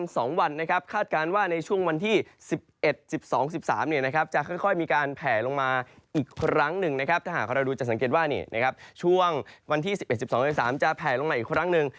สามจะแผ่ลงมาอีกครั้งหนึ่ง